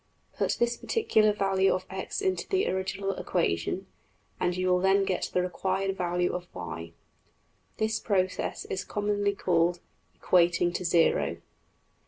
Put this particular value of~$x$ into the original equation, and you will then get the required value of~$y$. This process is commonly called ``equating to zero.''